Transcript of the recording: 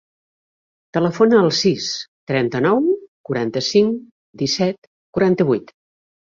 Telefona al sis, trenta-nou, quaranta-cinc, disset, quaranta-vuit.